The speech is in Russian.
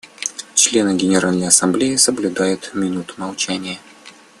Члены Генеральной Ассамблеи соблюдают минуту молчания.